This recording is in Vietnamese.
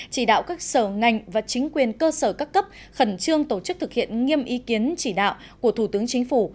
chỉ đạo các sở ngành và chính quyền cơ sở các cấp khẩn trương tổ chức thực hiện nghiêm ý kiến chỉ đạo của thủ tướng chính phủ